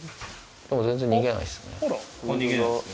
逃げないですね